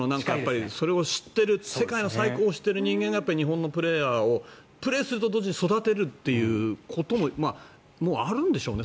それを知っている世界の最高を知っている人間が日本のプレーヤーをプレーすると同時に育てるということもあるんでしょうね。